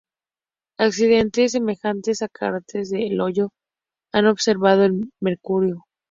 Accidentes semejantes a cráteres de hoyo se han observado en Mercurio.